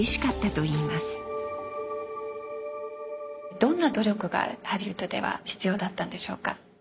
どんな努力がハリウッドでは必要だったんでしょうか。